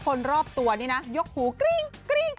คนรอบตัวนี่นะยกหูกริ้งกริ้ง